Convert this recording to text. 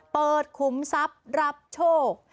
เปิดคุ้มทรัพย์รับโชค